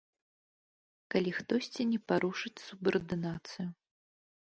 Калі хтосьці не парушыць субардынацыю.